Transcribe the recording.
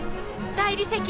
大理石。